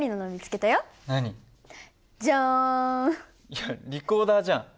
いやリコーダーじゃん。